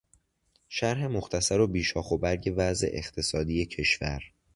شرح مختصر و بی شاخ و برگ وضع اقتصادی کشور